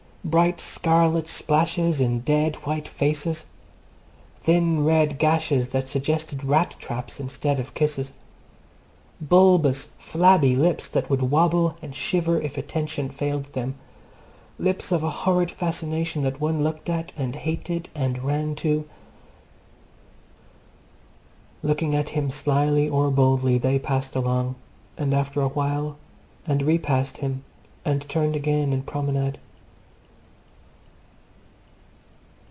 Bright scarlet splashes in dead white faces. Thin red gashes that suggested rat traps instead of kisses. Bulbous, flabby lips that would wobble and shiver if attention failed them. Lips of a horrid fascination that one looked at and hated and ran to. ... Looking at him slyly or boldly, they passed along, and turned after a while and repassed him, and turned again in promenade.